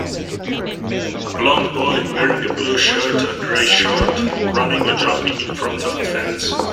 a blond boy wearing a blue shirt and gray short running or jumping in front of a fence